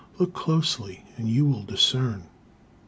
Look closely, and you will discern."